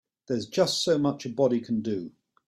There's just so much a body can do.